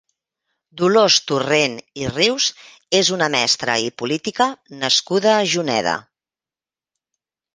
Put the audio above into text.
Dolors Torrent i Rius és una mestra i política nascuda a Juneda.